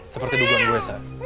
seperti dugaan gue